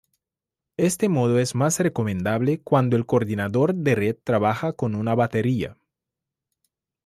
Este modo es más recomendable cuando el coordinador de red trabaja con una batería.